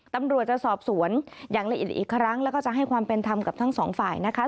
ตำรวจจะสอบสวนอย่างละเอียดอีกครั้งแล้วก็จะให้ความเป็นธรรมกับทั้งสองฝ่ายนะคะ